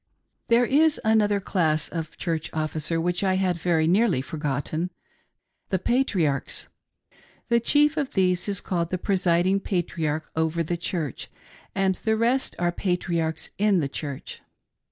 There is another class of Church officer which I had very nearly forgotten — the Patriarchs. The chief of these is called "The Presiding Patriarch over the Church"; the rest are '' Patriarchs in the Church."